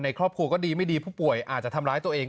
ครอบครัวก็ดีไม่ดีผู้ป่วยอาจจะทำร้ายตัวเอง